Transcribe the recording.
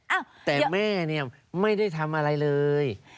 อ้าวเดี๋ยวแต่แม่เนี่ยไม่ได้ทำอะไรเลย